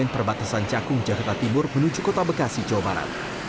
di cek poin perbatasan cakung jakarta timur menuju kota bekasi jawa barat